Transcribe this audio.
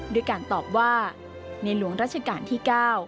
ด้วยการตอบว่าในหลวงราชการที่๙